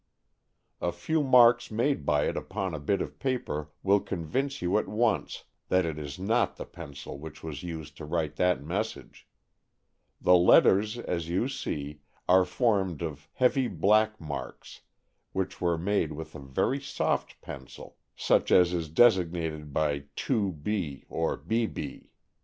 A few marks made by it upon a bit of paper will convince you at once that it is not the pencil which was used to write that message. The letters, as you see, are formed of heavy black marks which were made with a very soft pencil, such as is designated by 2 B or BB.